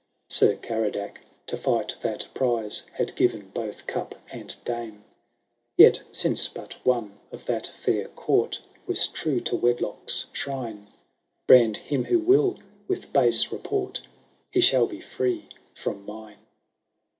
Sir Caiodac, to fight that prize, Had given both cup and dame ; Yet, since but one of that fair court Was true to wedlock's shrine, Brand him who will with base report,— He shall be free from mine.